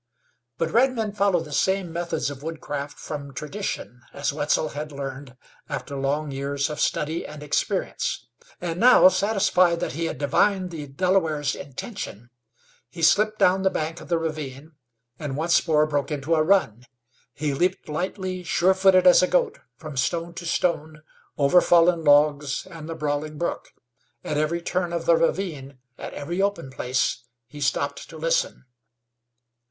But redmen followed the same methods of woodcraft from tradition, as Wetzel had learned after long years of study and experience. And now, satisfied that he had divined the Delaware's intention, he slipped down the bank of the ravine, and once more broke into a run. He leaped lightly, sure footed as a goat, from stone to stone, over fallen logs, and the brawling brook. At every turn of the ravine, at every open place, he stopped to listen.